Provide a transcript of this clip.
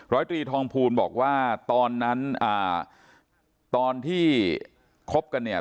ร้อยตรีทองพูนบอกว่าตอนที่คบกันเนี่ย